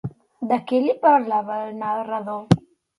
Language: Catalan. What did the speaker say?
De què li parlaven al narrador?